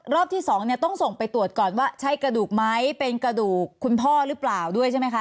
ที่สองเนี่ยต้องส่งไปตรวจก่อนว่าใช่กระดูกไหมเป็นกระดูกคุณพ่อหรือเปล่าด้วยใช่ไหมคะ